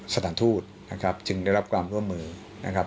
สถานทูตนะครับจึงได้รับความร่วมมือนะครับ